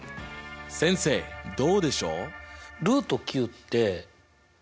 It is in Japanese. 先生どうでしょう。